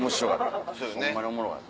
ホンマにおもろかった。